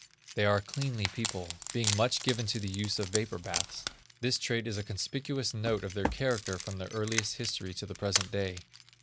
They are a cleanly people, being much given to the use of vapor baths. This trait is a conspicuous note of their character from their earliest history to the present day.